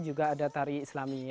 juga ada tari islami